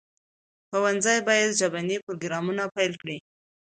ښوونځي باید ژبني پروګرامونه پلي کړي.